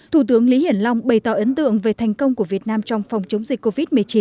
thủ tướng lý hiển long bày tỏ ấn tượng về thành công của việt nam trong phòng chống dịch covid một mươi chín